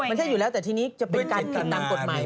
มันใช่อยู่แล้วแต่ทีนี้จะเป็นการผิดตามกฎหมาย